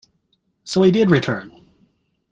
So he did return!